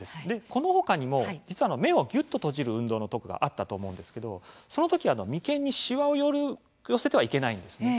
この他にも目をぎゅっと閉じる運動があったと思うんですけどその時、眉間にしわを寄せてはいけないんですね。